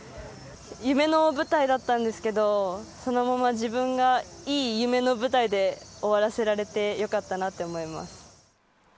夢の舞台だったんですけれど、そのまま自分が、いい夢の舞台で終わらせられて、よかったなって思います。